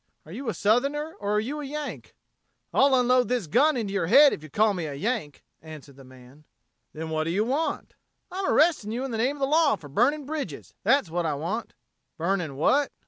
Are you a Southerner or are you a Yank?" "I'll unload this gun into your head if you call me a Yank," answered the man. "Then what do you want?" "I'm arresting you in the name of the law for burning bridges. That's what I want." "Burning what?"